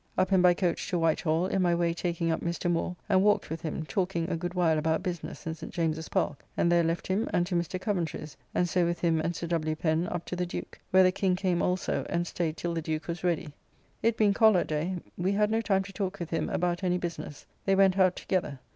Up and by coach to White Hall, in my way taking up Mr. Moore, and walked with him, talking a good while about business, in St. James's Park, and there left him, and to Mr. Coventry's, and so with him and Sir W. Pen up to the Duke, where the King came also and staid till the Duke was ready. It being Collarday, we had no time to talk with him about any business. They went out together.